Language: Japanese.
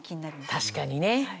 確かにね。